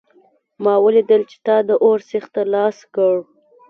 ما ولیدل چې تا د اور سیخ ته لاس کړ